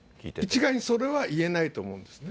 一概にそれはいえないと思うんですね。